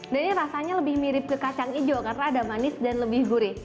dan rasanya lebih mirip ke kacang hijau karena ada manis dan lebih gurih